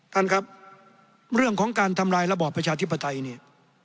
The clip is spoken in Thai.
ท่านครับเรื่องของการทำลายระบอบประชาธิปไตยเนี่ย